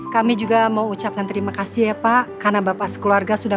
kami juga mau ucapkan terima kasih ya pak karena bapak sekeluarga sudah